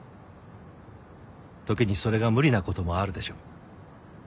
時にそれが無理な事もあるでしょう。